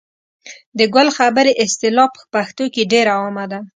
د ګل خبرې اصطلاح په پښتو کې ډېره عامه ده.